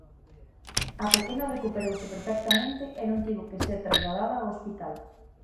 A pequena recuperouse perfectamente e non tivo que ser trasladada ao hospital.